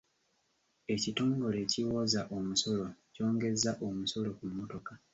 Ekitongole ekiwooza omusolo kyongezza omusolo ku mmotoka.